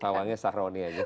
pawangnya sahroni saja